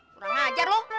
kurang ajar lo